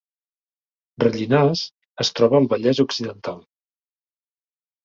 Rellinars es troba al Vallès Occidental